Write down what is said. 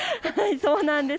そうなんです。